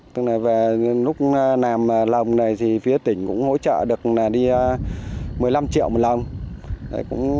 tức là về lúc làm lồng này thì phía tỉnh cũng hỗ trợ được một mươi năm triệu một lồng